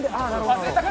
「忘れた方！」